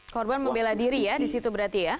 korban membela diri ya di situ berarti ya